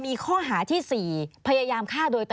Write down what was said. มีความรู้สึกว่ามีความรู้สึกว่า